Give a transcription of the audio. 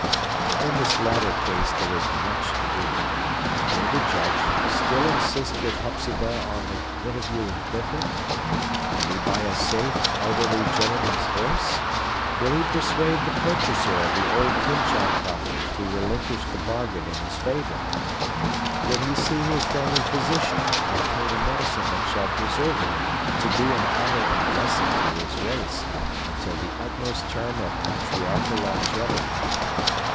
In this latter case, there is much to do. Will the Judge still insist with Hepzibah on the interview with Clifford? Will he buy a safe, elderly gentleman's horse? Will he persuade the purchaser of the old Pyncheon property to relinquish the bargain in his favor? Will he see his family physician, and obtain a medicine that shall preserve him, to be an honor and blessing to his race, until the utmost term of patriarchal longevity?